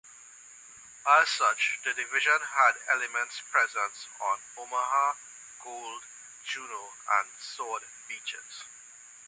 As such the division had elements present on Omaha, Gold, Juno and Sword Beaches.